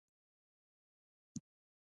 کلوروفیل نباتاتو ته شین رنګ ورکوي